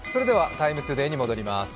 「ＴＩＭＥ，ＴＯＤＡＹ」に戻ります。